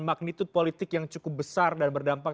magnitude politik yang cukup besar dan berdampak